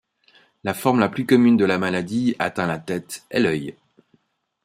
La forme la plus commune de la maladie atteint la tête et l'œil.